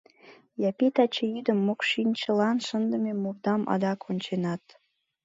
Япи, таче йӱдым мокшинчылан шындыме мурдам адак онченат!